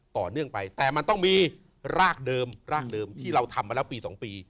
ต่อเนื่องไปแต่มันต้องมีรากเดิมรากเดิมที่เราทำมาแล้วปี๒ปี